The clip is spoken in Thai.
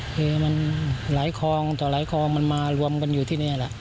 คือมันหลายคลองต่อหลายคลองมันมารวมกันอยู่ที่นี่แหละ